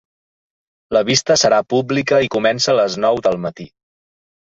La vista serà pública i comença a les nou del matí.